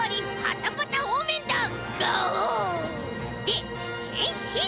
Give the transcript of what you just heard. ガオ！でへんしん！